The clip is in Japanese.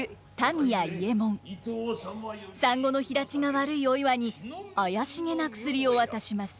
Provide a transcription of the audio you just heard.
産後の肥立ちが悪いお岩に怪しげな薬を渡します。